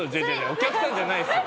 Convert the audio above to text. お客さんじゃないですよ。